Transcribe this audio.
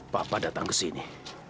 papa datang ke sini